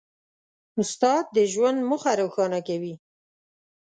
استاد د ژوند موخه روښانه کوي.